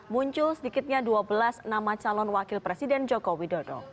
muncul sedikitnya dua belas nama calon wakil presiden joko widodo